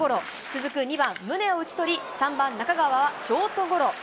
続く２番宗を打ち取り、３番中川はショートゴロ。